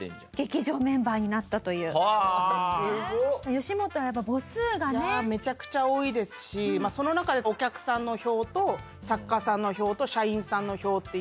吉本はやっぱ母数がね。めちゃくちゃ多いですしその中でお客さんの票と作家さんの票と社員さんの票っていう。